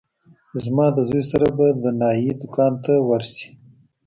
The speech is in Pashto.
چې زما د زوى سره به د نايي دوکان ته ورشې.